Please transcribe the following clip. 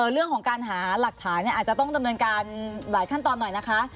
เรื่องของการหาหลักฐานอาจจะต้องดำเนินการหลายขั้นตอนหน่อยนะคะ